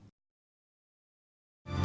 cà phê việt nam